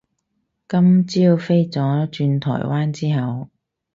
今朝飛咗轉台灣之後